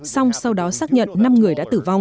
xong sau đó xác nhận năm người đã tử vong